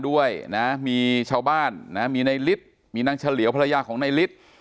ด้วยนะมีชาวบ้านนะมีในฤทธิ์มีนางเฉลียวภรรยาของนายฤทธิ์